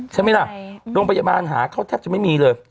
ใช่ไหมล่ะโรงพยาบาลหาเขาแทบจะไม่มีเลย